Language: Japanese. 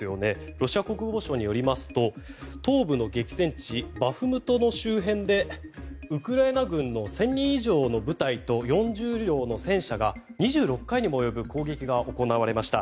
ロシア国防省によりますと東部の激戦地バフムトの周辺でウクライナ軍の１０００人以上の部隊と４０両の戦車が２６回にも及ぶ攻撃が行われました。